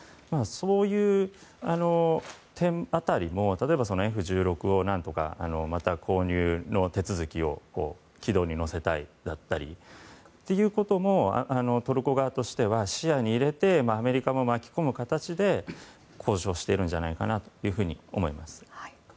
そういう点も、Ｆ１６を何とか購入の手続きを軌道に乗せたいだったりとかトルコ側としては視野に入れてアメリカも巻き込む形で交渉しているんじゃないかなと思います。